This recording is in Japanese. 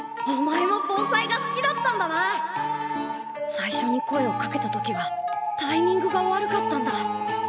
最初に声をかけた時はタイミングが悪かったんだ。